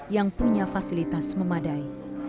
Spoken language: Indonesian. yang punya fasilitas memadai